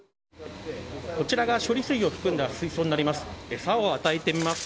こちらが処理水を含んだ水槽になります。